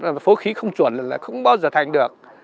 nó như là phố khí không chuẩn là không bao giờ thành được